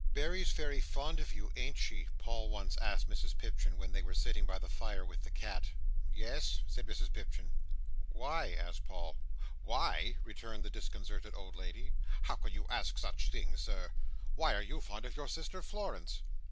"Berry's very fond of you, ain't she?" Paul once asked Mrs Pipchin when they were sitting by the fire with the cat. "Yes," said Mrs Pipchin. "Why?" asked Paul. "Why!" returned the disconcerted old lady. "How can you ask such things, Sir! why are you fond of your sister Florence?"